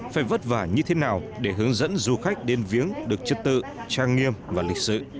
phải vất vả như thế nào để hướng dẫn du khách đến viếng được chất tự trang nghiêm và lịch sự